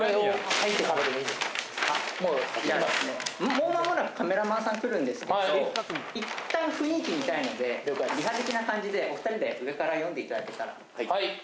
もうまもなくカメラマンさんが来るんですけど、いったん雰囲気見たいので、リハ的な感じで、お２人で上から読んでいただけたら。